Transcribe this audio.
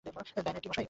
দায় নয় তো কী মশায়!